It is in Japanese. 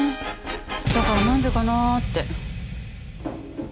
だからなんでかなあって。